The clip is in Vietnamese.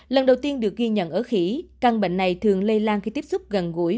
lần đầu tiên được ghi nhận ở khỉ căn bệnh này thường lây lan khi tiếp xúc gần gũi